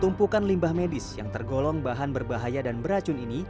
tumpukan limbah medis yang tergolong bahan berbahaya dan beracun ini